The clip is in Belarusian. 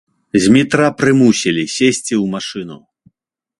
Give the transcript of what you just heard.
Змітра прымусілі сесці ў машыну.